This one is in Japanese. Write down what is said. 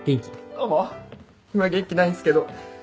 どうも今元気ないんすけど。